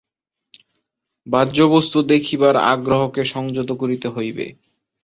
বাহ্যবস্তু দেখিবার আগ্রহকে সংযত করিতে হইবে।